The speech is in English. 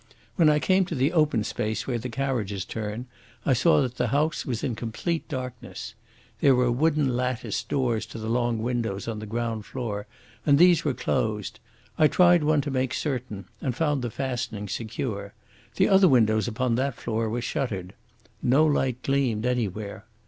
When I came to the open space where the carriages turn, I saw that the house was in complete darkness. There were wooden latticed doors to the long windows on the ground floor, and these were closed. I tried one to make certain, and found the fastenings secure. The other windows upon that floor were shuttered. No light gleamed anywhere.